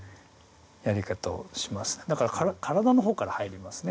だから体の方から入りますね。